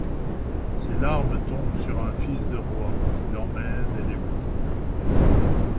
Ses larmes tombent sur un fils de roi, qui l'emmène et l'épouse.